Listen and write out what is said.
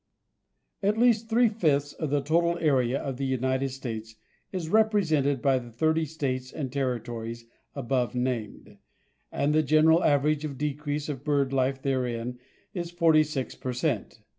At least three fifths of the total area of the United States is represented by the thirty states and territories above named, and the general average of decrease of bird life therein is 46 per cent.